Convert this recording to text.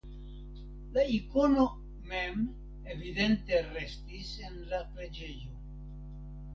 La ikono mem evidente restis en la preĝejo.